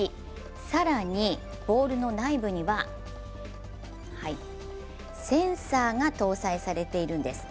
更にボールの内部にはセンサーが搭載されているんです。